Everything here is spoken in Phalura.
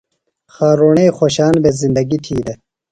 خارُݨئی خوشان بھےۡ زندگیۡ تھی دےۡ۔